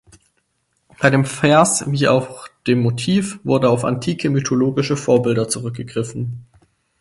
Bei dem Vers wie auch dem Motiv wurde auf antike mythologische Vorbilder zurückgegriffen.